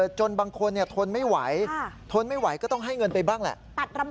จนบางคนทนไม่ไหวทนไม่ไหวก็ต้องให้เงินไปบ้างแหละ